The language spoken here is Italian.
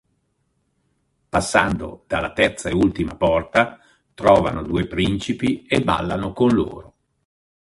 Passando dalla terza e ultima porta trovano due principi e ballano con loro.